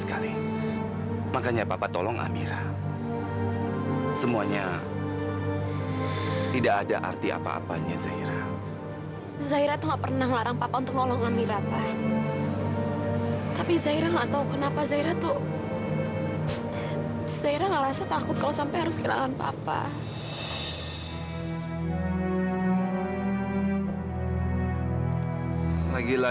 karena aku tidak mau ganggu paprabu sama zahira lagi